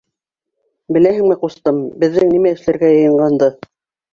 — Беләһеңме, ҡустым, беҙҙең нимә эшләргә йыйынғанды?